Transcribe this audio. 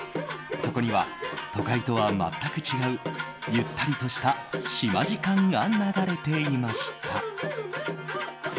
そこには、都会とは全く違うゆったりとした島時間が流れていました。